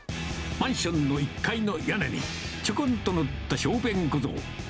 マンションの１階の屋根にちょこんと乗った小便小僧。